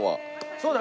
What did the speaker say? そうだ！